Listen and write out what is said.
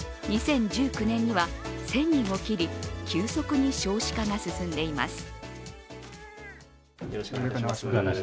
２０１９年には１０００人を切り、急速に少子化が進んでいます。